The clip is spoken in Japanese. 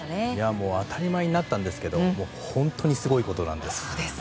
もう当たり前になったんですけど本当にすごいことなんです。